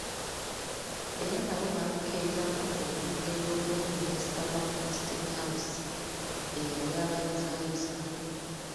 Era nabo baabukereza nkokola okugenda okweriila savva w’omu State House eyali abayozaayoza.